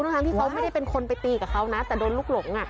ทั้งที่เขาไม่ได้เป็นคนไปตีกับเขานะแต่โดนลูกหลง